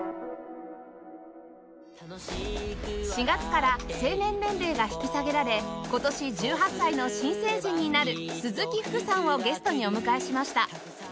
４月から成年年齢が引き下げられ今年１８歳の新成人になる鈴木福さんをゲストにお迎えしました